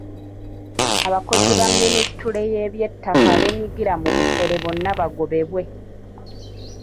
Abakozi ba Ministule y’Eby'ettaka abeenyigira mu bufere bonna bagobebwe.